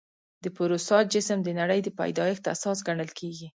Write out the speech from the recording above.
د پوروسا جسم د نړۍ د پیدایښت اساس ګڼل کېږي.